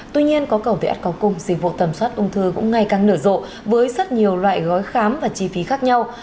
tuy nhiên có cầu thể át cao cung dịch vụ tầm soát ung thư cũng ngày càng nửa rộ với rất nhiều loại gói khám và chi phí khác nhau